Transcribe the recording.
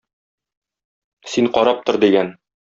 Син карап тор,- дигән.